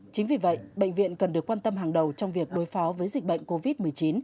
chính vì vậy bệnh viện cần được quan tâm hàng đầu trong việc đối phó với dịch bệnh covid một mươi chín